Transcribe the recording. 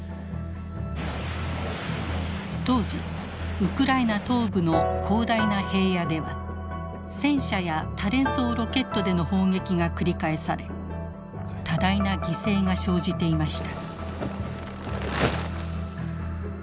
当時ウクライナ東部の広大な平野では戦車や多連装ロケットでの砲撃が繰り返され多大な犠牲が生じていました。